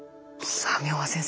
さあ明和先生